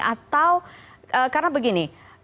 atau karena begini